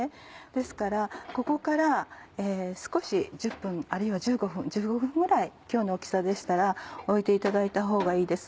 ですからここから少し１０分あるいは１５分ぐらい今日の大きさでしたらおいていただいた方がいいです。